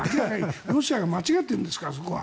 ロシアが間違ってるんですからそこは。